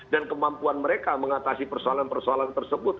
dan kemampuan mereka mengatasi persoalan persoalan tersebut